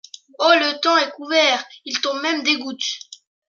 Oh ! le temps est couvert, il tombe même des gouttes !…